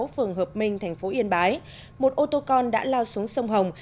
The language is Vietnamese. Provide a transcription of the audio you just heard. phường hợp minh thành phố yên bái một ô tô con đã lao xuống sông hồng